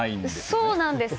そうなんです。